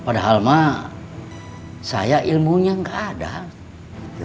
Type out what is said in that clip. padahal saya ilmunya tidak ada